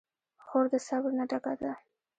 خور د صبر نه ډکه ده.